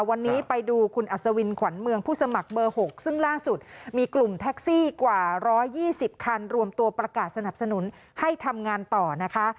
วันนี้ไปดูคุณอัศวินขวัญเมืองผู้สมัครเบอร์๖ซึ่งล่าสุดมีกลุ่มแท็กซี่กว่า๑๒๐คันรวมตัวประกาศสนับสนุนให้ทำงานต่อนะคะ